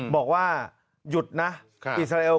บอกว่าหยุดนะอิสราเอล